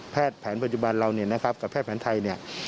แพทย์แผนปัจจุบันเรากับแพทย์แผนไทย